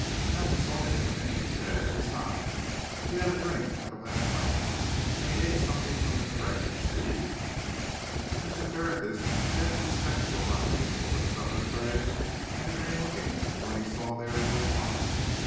"Mountain saw him come in," she said. "Besides, he had a drink out of that glass, and he ate something from the tray see!" Mr. Tertius bent his spectacled eyes over the supper tray and remained looking at what he saw there for a while.